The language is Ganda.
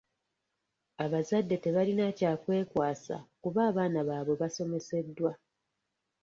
Abazadde tebalina kya kwekwasa kuba abaana baabwe basomeseddwa.